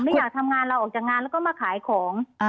ไม่อยากทำงานเราออกจากงานแล้วก็มาขายของ